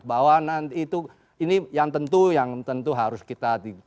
bahwa nanti itu ini yang tentu yang tentu harus kita